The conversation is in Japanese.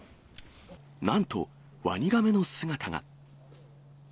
なんと、ワニガメの姿が。